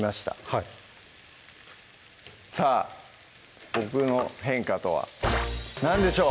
はいさぁ僕の変化とは何でしょう？